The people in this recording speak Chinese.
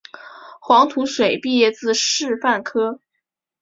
黄土水毕业自师范科